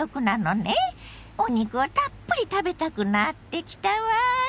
お肉をたっぷり食べたくなってきたわ。